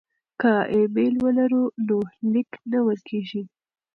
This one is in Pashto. که ایمیل ولرو نو لیک نه ورکيږي.